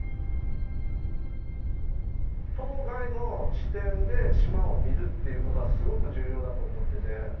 島外の視点で島を見るっていう事はすごく重要だと思っていて。